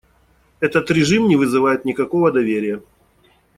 Этот режим не вызывает никакого доверия.